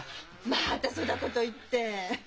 またそだごと言って。